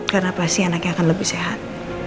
karena pasti anaknya akan lebih sehat